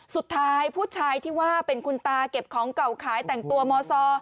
สุดท้ายผู้ชายที่ว่าเป็นคุณตาเก็บของเก่าขายแต่งตัวมซอ